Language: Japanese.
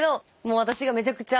私がめちゃくちゃ。